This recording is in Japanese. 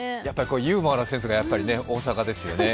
ユーモアのセンスが大阪ですよね。